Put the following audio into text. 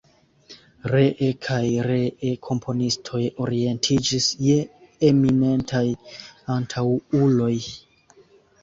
Ree kaj ree komponistoj orientiĝis je eminentaj antaŭuloj.